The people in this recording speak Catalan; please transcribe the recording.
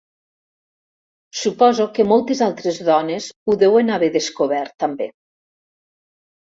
Suposo que moltes altres dones ho deuen haver descobert, també.